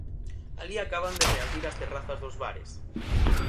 Alí acaban de reabrir as terrazas dos bares.